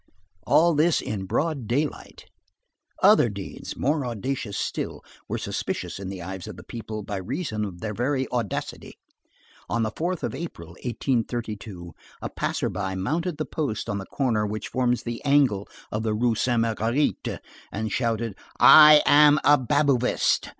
All this in broad daylight. Other deeds, more audacious still, were suspicious in the eyes of the people by reason of their very audacity. On the 4th of April, 1832, a passer by mounted the post on the corner which forms the angle of the Rue Sainte Marguerite and shouted: "I am a Babouvist!"